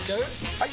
・はい！